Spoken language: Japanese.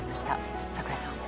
櫻井さん。